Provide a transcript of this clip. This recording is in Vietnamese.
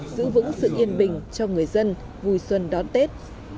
giữ vững sự yên bình cho người dân vui xuân đón tết